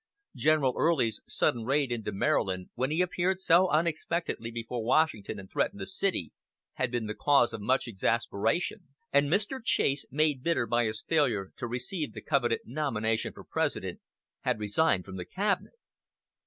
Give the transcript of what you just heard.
General Early's sudden raid into Maryland, when he appeared so unexpectedly before Washington and threatened the city, had been the cause of much exasperation; and Mr. Chase, made bitter by his failure to receive the coveted nomination for President, had resigned from the cabinet.